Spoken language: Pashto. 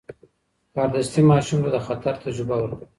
کاردستي ماشوم ته د خطر تجربه ورکوي.